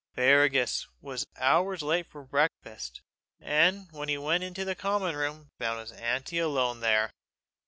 Fergus was hours late for breakfast, and when he went into the common room, found his aunt alone there.